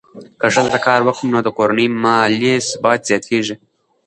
که ښځه کار وکړي، نو د کورنۍ مالي ثبات زیاتېږي.